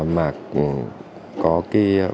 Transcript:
mà có cái văn hóa